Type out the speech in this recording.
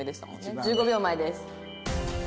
１５秒前です。